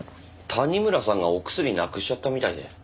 谷村さんがお薬なくしちゃったみたいで。